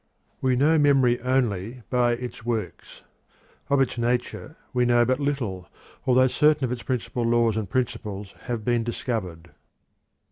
We know memory only by its works. Of its nature we know but little, although certain of its principal laws and principles have been discovered.